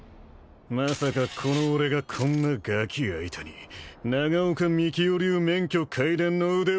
まさかこの俺がこんなガキ相手に長岡幹雄流免許皆伝の腕を振るうことになるたぁな！